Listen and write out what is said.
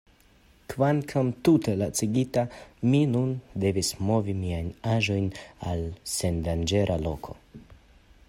Kvankam tute lacigita, mi nun devis movi miajn aĵojn al sendanĝera loko.